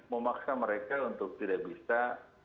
memaksa mereka untuk tidak bisa